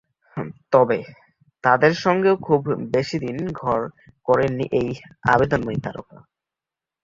তবে তাদের সঙ্গেও খুব বেশিদিন ঘর করেননি এই আবেদনময়ী তারকা।